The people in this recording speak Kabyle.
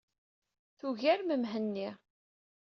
Tugarem Mhenni.